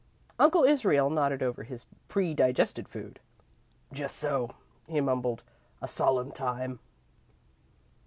Uncle Israel nodded over his predigested food. "Just so," he mumbled; "a solemn time."